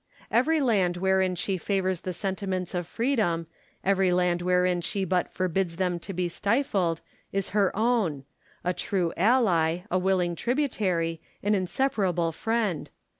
Every land wherein she favours the sentiments of freedom, every land wherein she but forbids them to be stifled, is her own ; a true ally, a willing tributary, an inseparable friend.